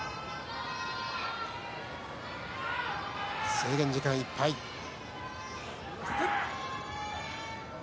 制限時間いっぱいです。